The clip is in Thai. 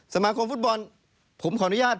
สมาคมฟุตบอลผมขออนุญาต